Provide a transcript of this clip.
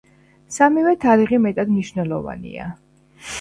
სამივე თარიღი მეტად მნიშვნელოვანია.